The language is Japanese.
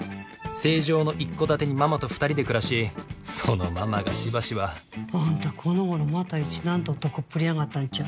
成城の一戸建てにママと２人で暮らしそのママがしばしば。あんたこのごろまた一段と男っぷり上がったんちゃう？